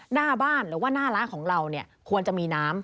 หน้าบ้านหรือว่าหน้าร้านของเราเนี่ยควรจะมีน้ำ